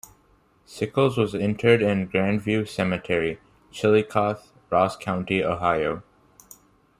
Sickles was interred in Grandview Cemetery, Chillicothe, Ross County, Ohio.